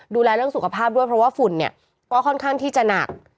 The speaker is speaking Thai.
ดูแลเรื่องสุขภาพด้วยเพราะว่าฝุ่นเนี่ยก็ค่อนข้างที่จะหนัก